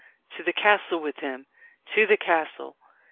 To the castle with him! To the castle!